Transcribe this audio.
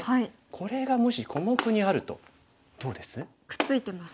これがもし小目にあるとどうです？